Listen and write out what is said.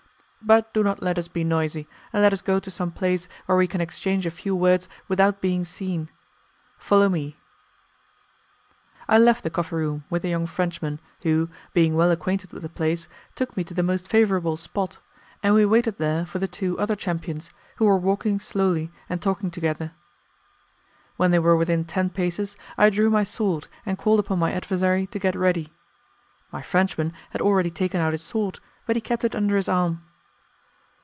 But do not let us be noisy, and let us go to some place where we can exchange a few words without being seen. Follow me." I left the coffee room with the young Frenchman, who, being well acquainted with the place, took me to the most favourable spot, and we waited there for the two other champions, who were walking slowly and talking together. When they were within ten paces I drew my sword and called upon my adversary to get ready. My Frenchman had already taken out his sword, but he kept it under his arm.